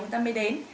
người ta mới đến